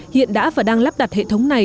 hiện đã và đang lắp đặt hệ thống này